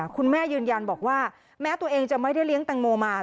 ยืนยันบอกว่าแม้ตัวเองจะไม่ได้เลี้ยงแตงโมมา